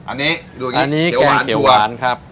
อันนี้ดูอย่างนี้เกลียวหวานถั่ว